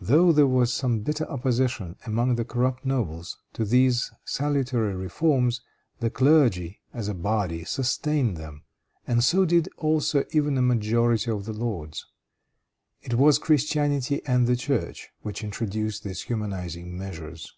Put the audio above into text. Though there was some bitter opposition among the corrupt nobles to these salutary reforms, the clergy, as a body, sustained them, and so did also even a majority of the lords. It was Christianity and the church which introduced these humanizing measures.